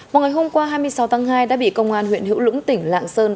một ngày hôm qua hai mươi sáu tháng hai đã bị công an huyện hữu lũng tỉnh lạng sơn